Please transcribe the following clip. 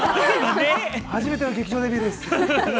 初めての劇場デビューです。